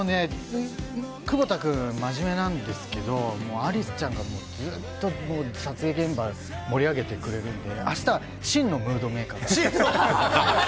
窪田君、真面目なんですけどアリスちゃんが、ずっと撮影現場を盛り上げてくれるので明日は真のムードメーカーが。